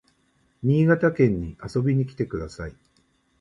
新潟県に遊びに来てください